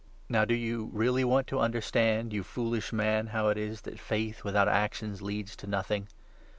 Now 20 do you really want to understand, you foolish man, how it is that faith without actions leads to nothing